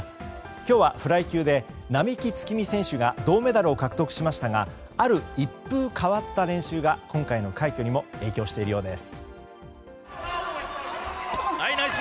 今日はフライ級で並木月海選手が銅メダルを獲得しましたがある一風変わった練習が今回の快挙にも影響しているようです。